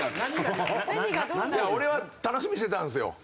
俺は楽しみにしてたんですよ。